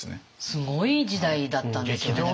すごい時代だったんですよねだからね。